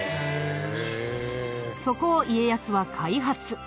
そこを家康は開発。